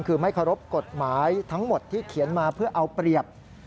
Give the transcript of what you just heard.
คือไม่เคารพกฎหมายทั้งหมดที่เขียนมาเพื่อเอาเปรียบ